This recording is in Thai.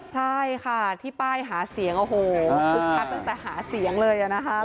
ใช่ค่ะที่ตั้งแต่หาเสียงเลยนะครับ